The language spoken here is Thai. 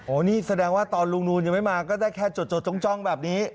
นี่แสดงว่าตอนลุงนูนยังไม่มาก็ได้แค่จดจ้องแบบนี้